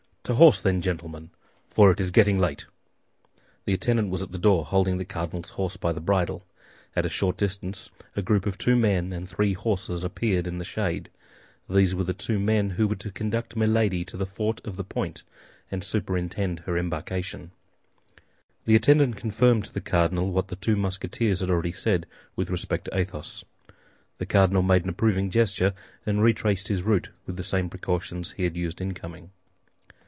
"To horse, then, gentlemen; for it is getting late." The attendant was at the door, holding the cardinal's horse by the bridle. At a short distance a group of two men and three horses appeared in the shade. These were the two men who were to conduct Milady to Fort La Pointe, and superintend her embarkation. The attendant confirmed to the cardinal what the two Musketeers had already said with respect to Athos. The cardinal made an approving gesture, and retraced his route with the same precautions he had used in coming.